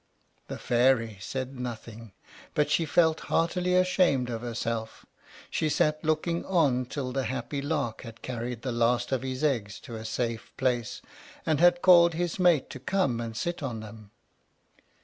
The Fairy said nothing, but she felt heartily ashamed of herself. She sat looking on till the happy Lark had carried the last of his eggs to a safe place, and had called his mate to come and sit on them.